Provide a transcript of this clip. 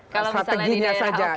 kalau misalnya di daerah